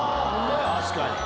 確かに。